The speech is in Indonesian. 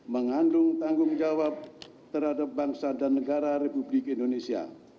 mengandung tanggung jawab terhadap bangsa dan negara republik indonesia